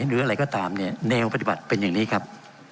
หรืออะไรก็ตามเนี่ยแนวปฏิบัติเป็นอย่างนี้ครับ